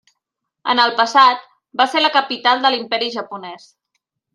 En el passat va ser la capital de l'imperi japonès.